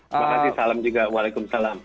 terima kasih salam juga waalaikumsalam